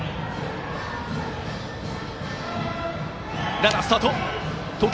ランナー、スタート。